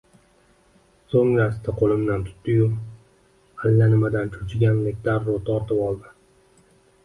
So‘ngra asta qo‘limdan tutdi-yu, allanimadan cho‘chigandek darrov tortib oldi: